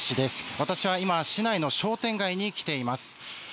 私は今、市内の商店街に来ています。